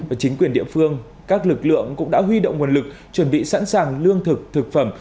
và chính quyền địa phương các lực lượng cũng đã huy động nguồn lực chuẩn bị sẵn sàng lương thực thực phẩm